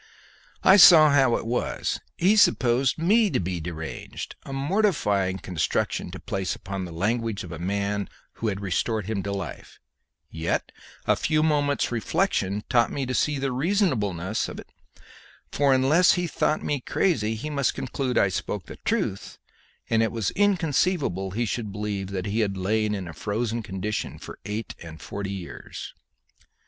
I saw how it was he supposed me deranged, a mortifying construction to place upon the language of a man who had restored him to life; yet a few moments' reflection taught me to see the reasonableness of it, for unless he thought me crazy he must conclude I spoke the truth, and it was inconceivable he should believe that he had lain in a frozen condition for eight and forty years.